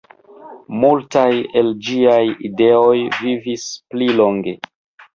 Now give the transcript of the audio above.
Multaj el ĝiaj ideoj vivis pli longe.